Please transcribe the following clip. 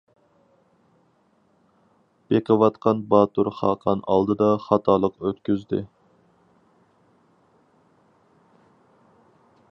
بېقىۋاتقان باتۇر خاقان ئالدىدا خاتالىق ئۆتكۈزدى.